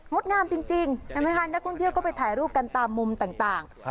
งามจริงเห็นไหมคะนักท่องเที่ยวก็ไปถ่ายรูปกันตามมุมต่าง